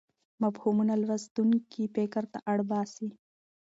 مفهومونه لوستونکی فکر ته اړ باسي.